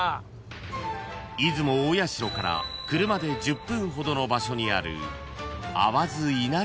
［出雲大社から車で１０分ほどの場所にある］